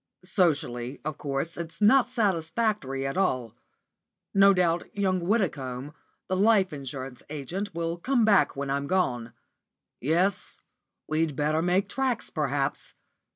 Socially, of course, it's not satisfactory at all. No doubt young Widdicombe, the life insurance agent, will come back when I'm gone. Yes, we'd better make tracks, perhaps.